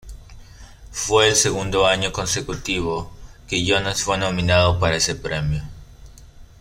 Fue el segundo año consecutivo que Jonas fue nominado para ese premio.